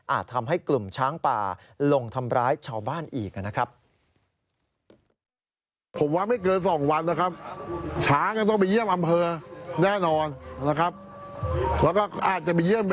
ทำให้กลุ่มช้างป่าลงทำร้ายชาวบ้านอีกนะครับ